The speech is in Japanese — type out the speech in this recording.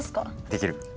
できる。